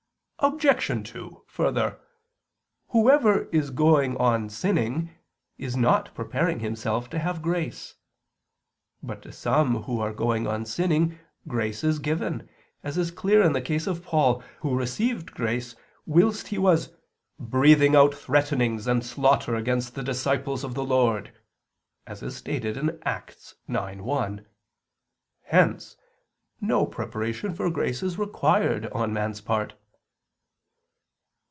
Obj. 2: Further, whoever is going on sinning, is not preparing himself to have grace. But to some who are going on sinning grace is given, as is clear in the case of Paul, who received grace whilst he was "breathing out threatenings and slaughter against the disciples of the Lord" (Act 9:1). Hence no preparation for grace is required on man's part.